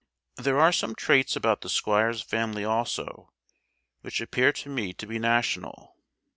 There are some traits about the squire's family also, which appear to me to be national.